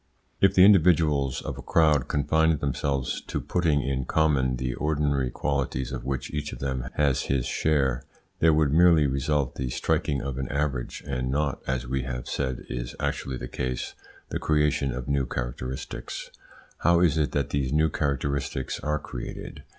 If the individuals of a crowd confined themselves to putting in common the ordinary qualities of which each of them has his share, there would merely result the striking of an average, and not, as we have said is actually the case, the creation of new characteristics. How is it that these new characteristics are created?